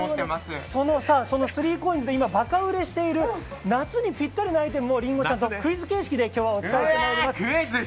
そのスリーコインズで今、バカ売れしている夏にピッタリなアイテムをりんごちゃんとクイズ形式でお伝えしていきます。